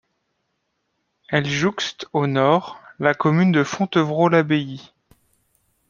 Elle jouxte, au nord, la commune de Fontevraud-l'Abbaye.